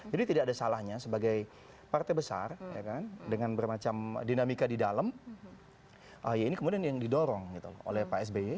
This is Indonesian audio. jadi tidak ada salahnya sebagai partai besar dengan bermacam dinamika di dalam ahi ini kemudian yang didorong oleh pak sby